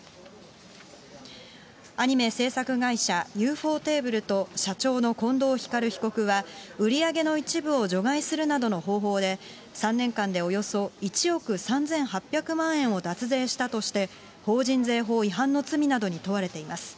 アニメ制作会社、ユーフォーテーブルと社長の近藤光被告は、売り上げの一部を除外するなどの方法で、３年間でおよそ１億３８００万円を脱税したとして、法人税法違反の罪などに問われています。